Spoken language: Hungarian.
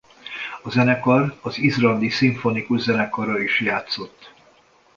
A zenekar az Izlandi Szimfonikus Zenekarral is játszott.